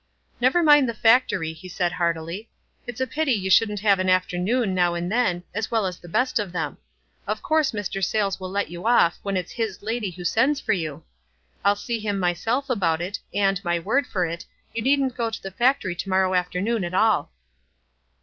" Never mind the factory, " he said heartily. "It's a pity you shouldn't have an afternoon, now and then, as well as the best of them. Of course Mr. Sayles will let you off when it's his lady who sends for you. I'll see him myself about it, and, my word for it, you needn't go to the factory to morrow afternoon at all."